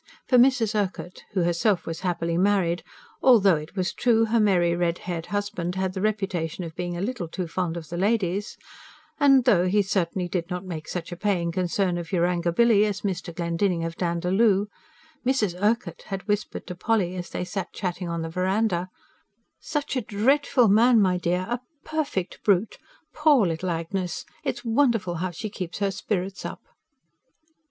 For Mrs. Urquhart, who herself was happily married although, it was true, her merry, red haired husband had the reputation of being a LITTLE too fond of the ladies, and though he certainly did not make such a paying concern of Yarangobilly as Mr. Glendinning of Dandaloo Mrs. Urquhart had whispered to Polly as they sat chatting on the verandah: "Such a DREADFUL man, my dear! ... a perfect brute! Poor little Agnes. It is wonderful how she keeps her spirits up."